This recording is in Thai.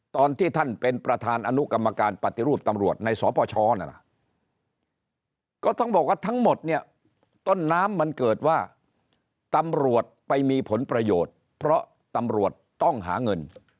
ตอนที่ท่านเป็นประธานอนุกรรมการปฏิรูปตำรวจในสปชนั่นก็ต้องบอกว่าทั้งหมดเนี่ยต้นน้ำมันเกิดว่าตำรวจไปมีผลประโยชน์เพราะตำรวจต้องหาเงิน